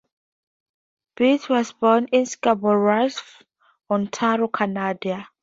Beard was born in Scarborough, Ontario, Canada.